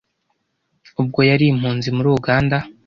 ubwo yari impunzi muri Uganda,